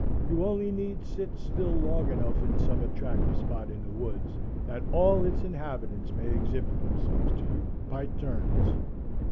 You only need sit still long enough in some attractive spot in the woods that all its inhabitants may exhibit themselves to you by turns.